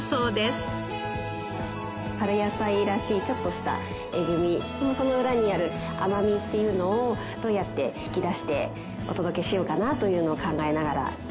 春野菜らしいちょっとしたえぐみその裏にある甘みっていうのをどうやって引き出してお届けしようかなというのを考えながら。